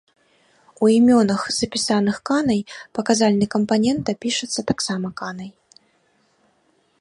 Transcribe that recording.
У імёнах, запісаных канай, паказальны кампанента пішацца таксама канай.